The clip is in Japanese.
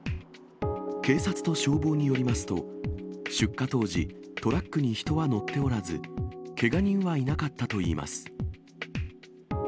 警察と消防によりますと、出火当時、トラックに人は乗っておらず、けが人はいなかったといいます。